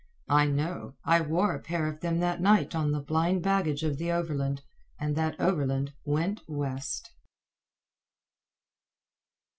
I know. I wore a pair of them that night on the blind baggage of the overland, and that overland went west.